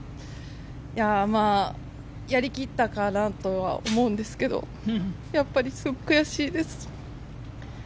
やり切ったかなとは思うんですけどやっぱりすごく悔しいです。